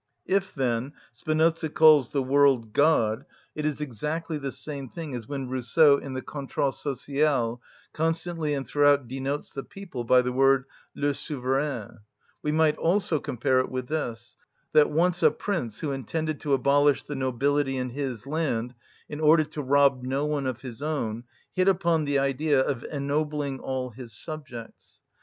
If, then, Spinoza calls the world God, it is exactly the same thing as when Rousseau in the "Contrat social," constantly and throughout denotes the people by the word le souverain; we might also compare it with this, that once a prince who intended to abolish the nobility in his land, in order to rob no one of his own, hit upon the idea of ennobling all his subjects.